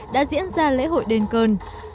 đã diễn ra lễ hội đền cơn